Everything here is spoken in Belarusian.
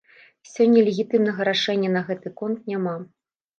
Сёння легітымнага рашэння на гэты конт няма.